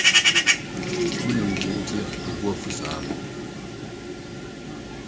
Wunim nea enti a ne bo afuw saa no?